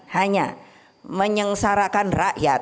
hanya menyengsarakan rakyat